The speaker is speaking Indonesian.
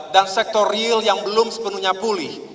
dan sektor real yang belum sepenuhnya pulih